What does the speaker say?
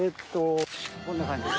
こんな感じです。